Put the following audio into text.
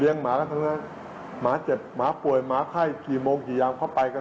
มีคนใจดีก็ตัดสินใจนั่งรถจากหมอชิตจะไปขอนแก่น